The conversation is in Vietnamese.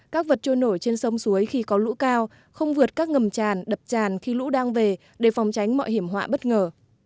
các vật trôi nổi trên sông suối khi có lũ cao không vượt các ngầm tràn đập tràn khi lũ đang về để phòng tránh mọi hiểm họa bất ngờ